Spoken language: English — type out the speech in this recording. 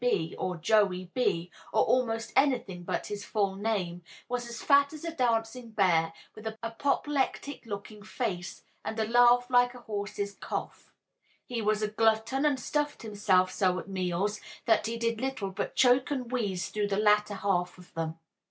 B." or "Joey B.," or almost anything but his full name) was as fat as a dancing bear, with a purple, apoplectic looking face, and a laugh like a horse's cough. He was a glutton, and stuffed himself so at meals that he did little but choke and wheeze through the latter half of them.